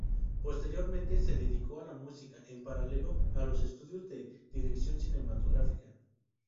Posteriormente se dedicó a la música, en paralelo a los estudios de dirección cinematográfica.